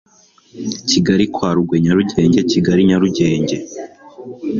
Kigali kwa Rugwe Nyarugenge Kigali Nyarugenge